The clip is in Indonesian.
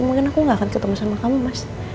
mungkin aku gak akan ketemu sama kamu mas